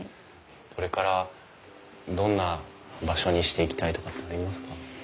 これからどんな場所にしていきたいとかってありますか？